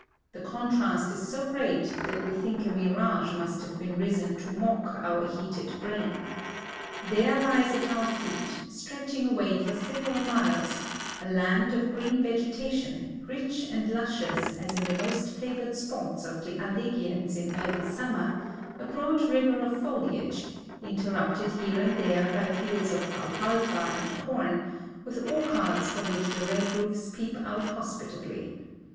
The contrast is so great that we think a mirage must liave risen to mock, our heated brain. There lies at our feet, stretching away for several miles, a land of green vegetation, rich and luscious as in the most fiivored si>ots of the Alleghanies in early summer, a l)road river of foliage, in terrupted here and there by fields of alfalfa and corn, with orchards from which the red roofs peep out hos[)itably.